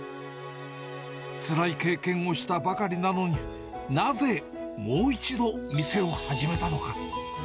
つらい経験をしたばかりなのに、なぜもう一度店を始めたのか。